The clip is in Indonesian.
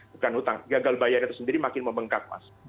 bukan hutang gagal bayar itu sendiri makin membengkak mas